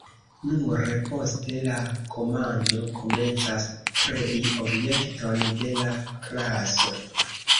Nure poste la komando komencas krei objekton de la klaso.